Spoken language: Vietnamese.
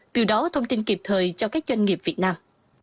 từ đó thông tin kịp thời cho các doanh nghiệp việt nam